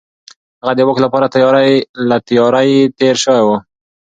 هغه د واک لپاره له تيارۍ تېر شوی و.